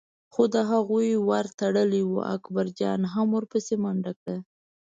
خو د هغوی ور تړلی و، اکبرجان هم ور پسې منډه کړه.